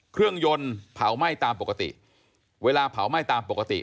เครื่องยนต์เผาไหม้ตามปกติเวลาเผาไหม้ตามปกติ